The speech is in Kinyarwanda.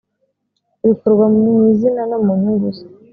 bikorwa mu izina no mu nyungu ze